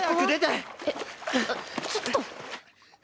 え、ちょっと。